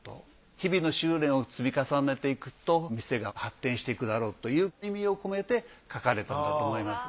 日々の修練を積み重ねていくと店が発展していくだろうという意味を込めて書かれたんだと思います。